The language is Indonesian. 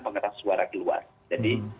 pengeras warga keluar jadi